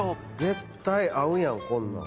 絶対合うやんこんなん。